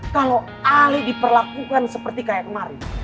kalau alih diperlakukan seperti kayak kemarin